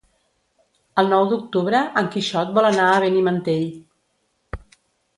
El nou d'octubre en Quixot vol anar a Benimantell.